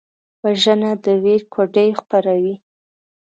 وژنه د ویر کوډې خپروي